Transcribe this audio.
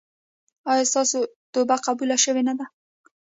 ایا ستاسو توبه قبوله شوې نه ده؟